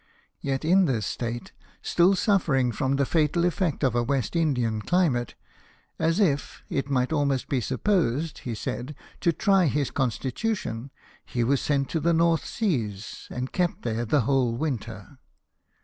Yet in this state, still suffering from the fatal effect of a West Indian climate, as if, it might almost be supposed, he said, to try his constitution, he was sent to the North Seas, and kept there the whole winter.